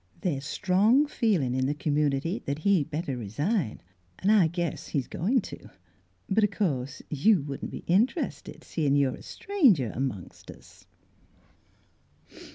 " The's strong feelin' in the community that he'd better resign, an' I guess he's goin' to. But o' course you wouldn't be interested, seein' you're a stranger amongst us."